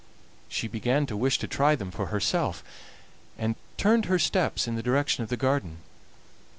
She began to wish to try them for herself, and turned her steps in the direction of the garden.